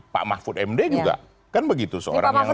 pak mahfud md juga kan begitu seorang yang